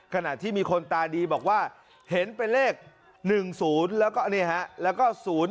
ขณะที่มีคนตาดีบอกว่าเห็นเป็นเลข๑๐แล้วก็นี่ฮะแล้วก็๐๔